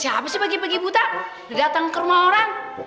siapa sih pagi pagi buta datang ke rumah orang